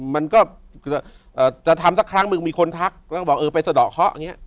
มันก็จะทำสักครั้งหนึ่งมีคนทักแล้วก็บอกเออไปสะดอกเคาะอย่างนี้